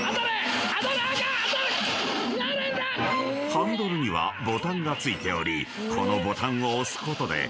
［ハンドルにはボタンが付いておりこのボタンを押すことで］